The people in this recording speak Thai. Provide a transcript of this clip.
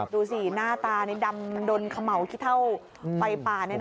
ดูสิหน้าตานี่ดำโดนเขม่าวขี้เท่าไฟป่า